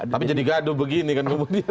tapi jadi gaduh begini kan ngomong dia